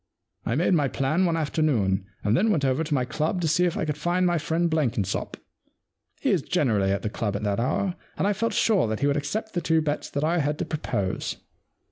I made my plan one afternoon, and then went over to my club to see if I could find my friend Blenkinsop. He is generally at the club at that hour, and I felt sure that he would accept the two bets that I had to propose.